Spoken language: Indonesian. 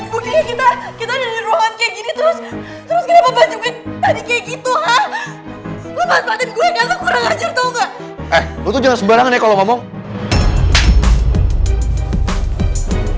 buktinya kita kita duduk di ruangan kayak gini terus